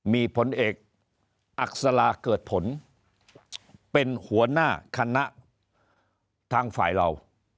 มีผลเอกอักษลาเกิดผลเป็นหัวหน้าคณะทางฝ่ายเรา